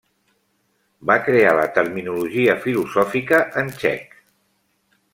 Va crear la terminologia filosòfica en txec.